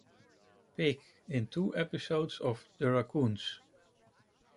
Pig in two episodes of "The Raccoons".